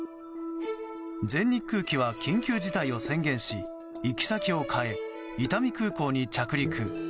全日空機は緊急事態を宣言し行き先を変え、伊丹空港に着陸。